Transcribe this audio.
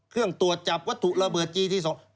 เครื่องตรวจจับวัตถุระเบิดจีที่๒